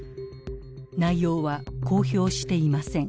内容は公表していません。